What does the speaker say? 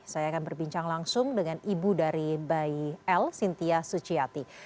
saya akan berbincang langsung dengan ibu dari bayi l sintia suciati